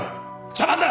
茶番だ！